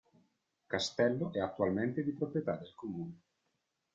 Castello è attualmente di proprietà del comune.